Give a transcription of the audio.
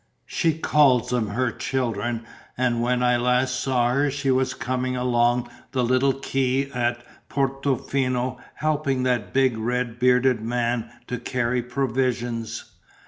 "She calls them her children and when I last saw her she was coming along the little quay at Portofino helping that big red bearded man to carry provisions.